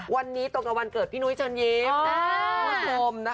วันนี้ตรงกับวันเกิดพี่นุ้ยเชิญยิ้มคุณผู้ชม